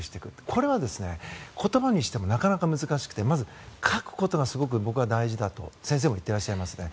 これは言葉にしてもなかなか難しくてまず書くことがすごく大事だと先生も言っていらっしゃいますね。